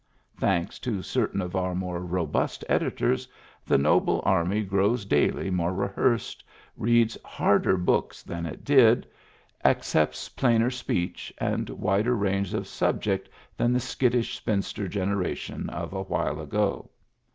Thanks to certain of our more robust editors, the noble army grows daily more rehearsed, reads "harder" books than it did, accepts plainer speech and wider range of subject than the skittish spinster generation of a while ago.